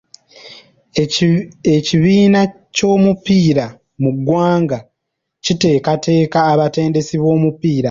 Ekibiina ky'omupiira mu ggwanga kiteekateka abatendesi b'omupiira.